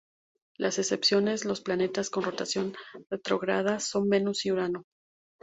Las excepciones, los planetas con rotación retrógrada, son Venus y Urano.